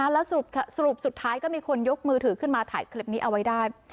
แล้วสรุปสุดท้ายก็มีคนยกมือถือขึ้นมาถ่ายคลิปนี้เอาไว้ได้